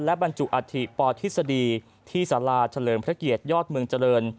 และบรรจุอัฐิปอทฤษฎีที่สาราเฉลิมพระเกียรติยอดเมืองเจริญ